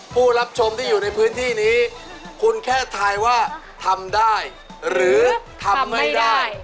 ผู้รับชมที่อยู่ในพื้นที่นี้คุณแค่ทายว่าทำได้หรือทำไม่ได้